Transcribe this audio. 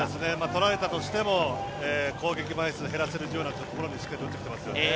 取られたとしても攻撃枚数減らせるようなところにしっかりと打ってきていますよね。